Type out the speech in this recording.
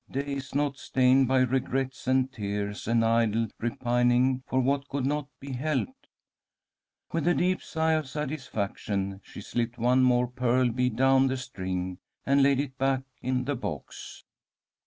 Days not stained by regrets and tears and idle repining for what could not be helped. With a deep sigh of satisfaction, she slipped one more pearl bead down the string, and laid it back in the box.